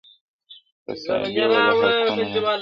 • قصابي وه د حقونو د نادارو -